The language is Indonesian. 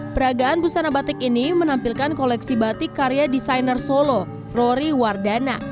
peragaan busana batik ini menampilkan koleksi batik karya desainer solo rory wardana